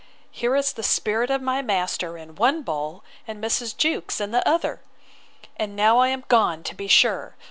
Here is the spirit of my master in one bull, and Mrs. Jewkes's in the other. And now I am gone, to be sure!